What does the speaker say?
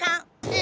え！